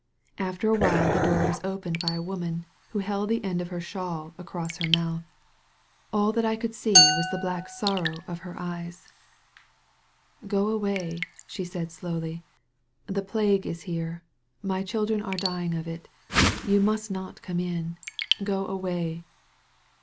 After a while the door was opened by a woman who held the end of her shawl across her mouth. 11 THE VALLEY OP VISION All that I oould see was the black sorrow of her eyes. "Go away," she said slowly; "the plague is here. My children are dying of it. You must not come in ! Go away."